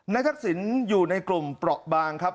นายทักศิลป์อยู่ในกลุ่มปรอกบางครับ